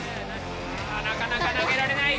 なかなか投げられない！